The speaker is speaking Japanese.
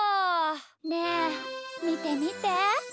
ねえみてみて！